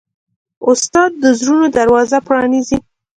استاد د زړونو دروازه پرانیزي.